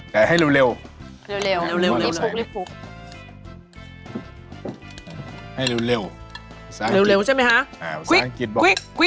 เราลาดหรือแบบนี้